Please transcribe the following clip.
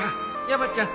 山ちゃん